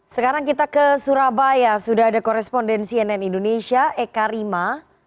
sekarang kita ke surabaya sudah ada korespondensi nn indonesia eka rima